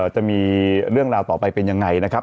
จะมีเรื่องราวต่อไปเป็นยังไงนะครับ